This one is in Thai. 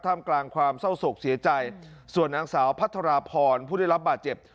กลางความเศร้าโศกเสียใจส่วนนางสาวพัทรพรผู้ได้รับบาดเจ็บ